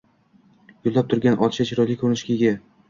Gullab turgan olcha chiroyli ko‘rinishga ega.